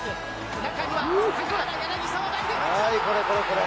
中には高原、柳沢がいる！